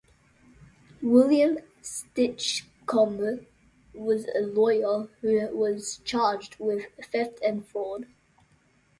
William Stinchcombe was a lawyer who was charged with theft and fraud.